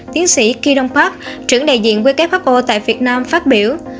tiến sĩ ki dong park trưởng đại diện who tại việt nam phát biểu